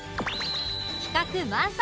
企画満載！